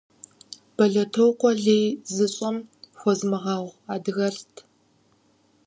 Бэлэтокъуэ лей зыщӀэм хуэзмыгъэгъу адыгэлӀт.